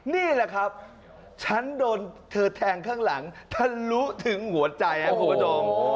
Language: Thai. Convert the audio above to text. นี่แหละครับฉันโดนเธอแทงข้างหลังทะลุถึงหัวใจครับคุณผู้ชม